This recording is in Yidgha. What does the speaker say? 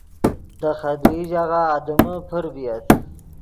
دے خدیئی ژاغہ آدمے پر ڤییت